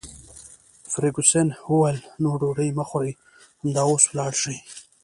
فرګوسن وویل: نه، ډوډۍ مه خورئ، همدا اوس ولاړ شئ.